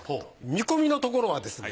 見込みのところはですね